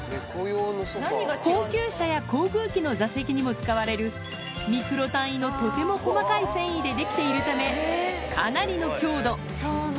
高級車や航空機の座席にも使われる、ミクロ単位のとても細かい繊維で出来ているため、かなりの強度。